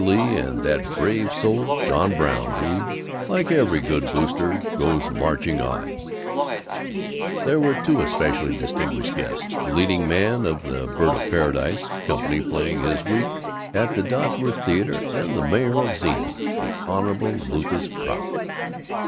Lee and of that brave soul, John Brown who, like every good Booster, goes marching on " There were two especially distinguished guests: the leading man of the "Bird of Paradise" company, playing this week at the Dodsworth Theater, and the mayor of Zenith, the Hon. Lucas Prout.